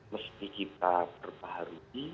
mesti kita berbaharui